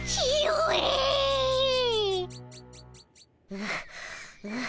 はあはあ。